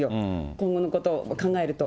今後のことを考えると。